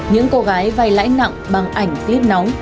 những cô gái vay lãi nặng bằng ảnh clip nóng